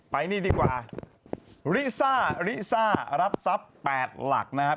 ไปนี่ดีกว่าริซ่าริซ่ารับทรัพย์๘หลักนะครับ